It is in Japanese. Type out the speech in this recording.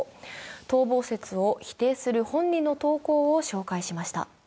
逃亡説を否定する本人の投稿を紹介しました。